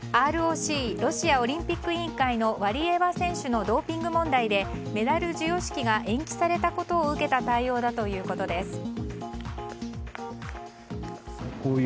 ＲＯＣ・ロシアオリンピック委員会のワリエワ選手のドーピング問題でメダル授与式が延期されたことを受けた対応だということです。